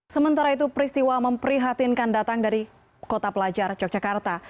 sementara itu peristiwa memprihatinkan datang dari kota pelajar yogyakarta